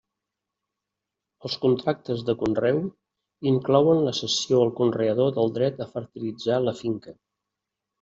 Els contractes de conreu inclouen la cessió al conreador del dret a fertilitzar la finca.